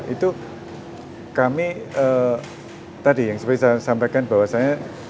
itu kami tadi yang seperti saya sampaikan bahwasannya